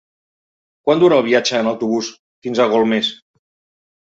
Quant dura el viatge en autobús fins a Golmés?